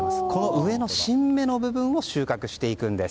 上の新芽の部分を収穫していくんです。